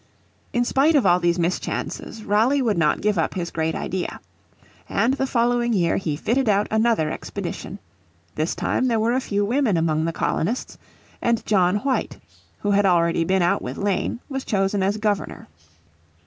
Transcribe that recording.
In spite of all these mischances Raleigh would not give up his great idea. And the following year he fitted out another expedition. This time there were a few women among the colonists, and John White, who had already been out with Lane, was chosen as Governor.